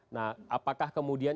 nah apakah kemudian